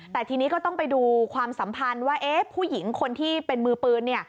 แต่ทีนี้ก็ต้องไปดูความสัมพันธ์ว่าเอ๊ะผู้หญิงคนที่เป็นมือปืน